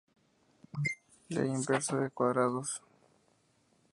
Ley inversa de cuadrados.